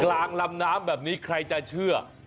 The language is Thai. กลางลำน้ำแบบนี้ใครจะเชื่อ